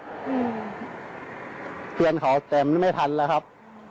เขียนขอแต่ไม่ทันละครับ